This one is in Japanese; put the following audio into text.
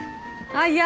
あっいや。